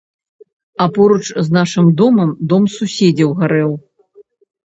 А поруч з нашым домам дом суседзяў гарэў.